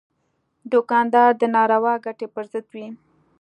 دوکاندار د ناروا ګټې پر ضد وي.